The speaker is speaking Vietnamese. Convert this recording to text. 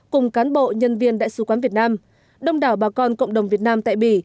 cùng cán bộ nhân viên đại sứ quán việt nam đông đảo bà con cộng đồng việt nam tại bỉ